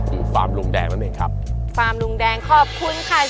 คือฟาร์มลุงแดงมาตรงนี้ครับฟาร์มลุงแดงขอบคุณค่ะเชฟ